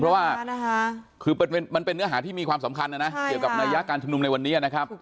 เพราะว่ามันเป็นเนื้อหาที่มีความสำคัญกับแต่งการชมนุมในวันนี้ครับ